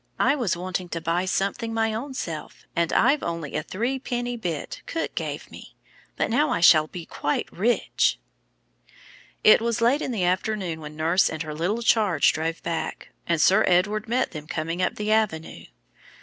I was wanting to buy something my own self, and I've only a little cook gave me, but now I shall be quite rich." It was late in the afternoon when nurse and her little charge drove back, and Sir Edward met them coming up the avenue.